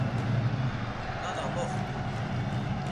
Nana moxtu-i?